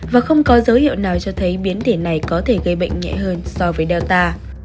và không có dấu hiệu nào cho thấy biến thể này có thể gây bệnh nhẹ hơn so với data